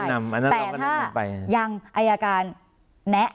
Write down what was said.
แต่ถ้ายังไออาการแนะนำ